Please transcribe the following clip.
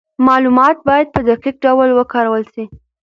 معلومات باید په دقیق ډول وکارول سي.